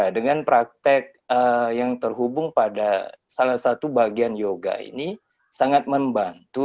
dengan praktek yang terhubung pada salah satu bagian yoga ini sangat membantu